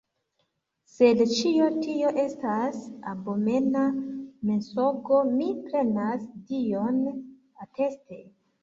Sed ĉio tio estas abomena mensogo; mi prenas Dion ateste.